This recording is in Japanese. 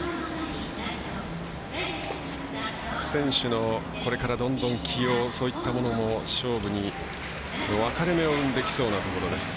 選手のこれからどんどん起用そういったものも勝負の分かれ目を生んできそうです。